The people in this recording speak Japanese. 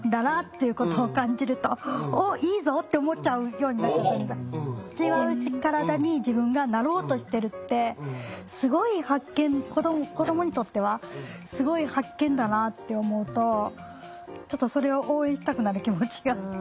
今になったらその子がすごく違う体に自分がなろうとしてるってすごい発見子どもにとってはすごい発見だなって思うとちょっとそれを応援したくなる気持ちが。